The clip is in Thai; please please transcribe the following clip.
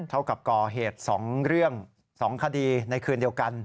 เท่ากับก่อเหตุ๒เรื่อง๒คดีในคืนเดียวกัน